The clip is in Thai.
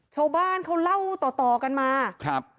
ชาวบ้านเขาเล่าต่อกันมา